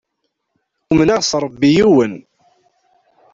Umneɣ s Ṛebbi yiwen.